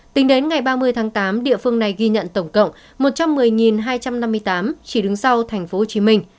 tính đến ngày ba mươi tháng tám địa phương này ghi nhận tổng cộng một trăm một mươi hai trăm năm mươi tám chỉ đứng sau tp hcm